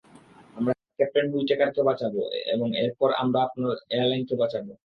আমরা ক্যাপ্টেন হুইটেকারকে বাঁচাবো, এবং এরপর, আমরা আপনার এয়ারলাইনকে বাঁচাবো।